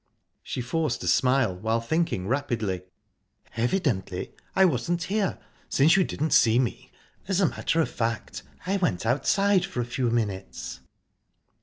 She forced a smile, while thinking rapidly. "Evidently I wasn't here, since you didn't see me...As a matter of fact, I went outside for a few minutes."